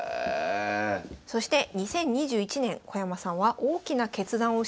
そして２０２１年小山さんは大きな決断をします。